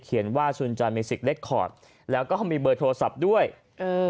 เขียนว่าสุนใจเมซิกเล็กคอร์ดแล้วก็มีเบอร์โทรศัพท์ด้วยนะฮะ